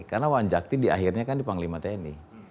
karena wanjakti di akhirnya kan di panglima tni